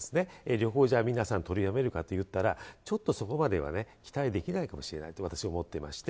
旅行、じゃあ皆さん取りやめるかっていったら、ちょっとそこまではね、期待できないかもしれないと私、思っていまして。